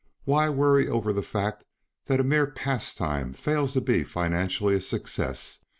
Why worry over the fact that a mere pastime fails to be financially a success.